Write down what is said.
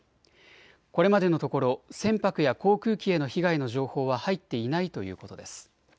これまでのところ船舶や航空機への被害の情報は入っていないということです。